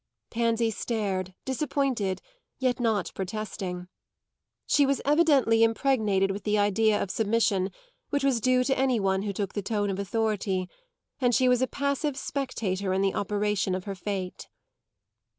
Pansy stared, disappointed, yet not protesting. She was evidently impregnated with the idea of submission, which was due to any one who took the tone of authority; and she was a passive spectator of the operation of her fate.